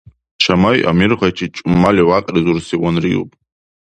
Шамай Амирхайчи чӀумали вякьризурсиван риуб.